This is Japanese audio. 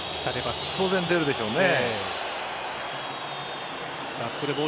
当然、出るでしょうね。